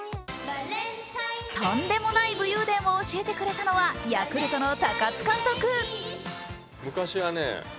とんでもない武勇伝を教えてくれたのはヤクルトの高津監督。